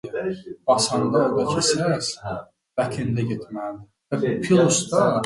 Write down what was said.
The larvae are free-swimming and have the pelvic fins with elongated filaments.